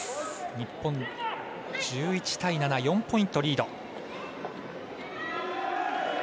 日本、１１対７で４ポイントリード。